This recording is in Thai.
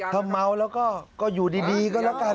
ถ้าเมาแล้วก็อยู่ดีก็แล้วกัน